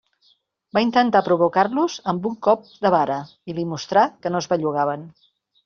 Va intentar provocar-los amb un colp de vara, i li mostrà que no es bellugaven.